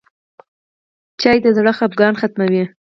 چای د زړه خفګان ختموي.